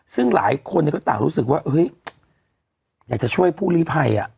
ซึ่งหลายคนก็ต่างรู้สึกว่าเฮ้ยอยากจะช่วยผู้ลีภัย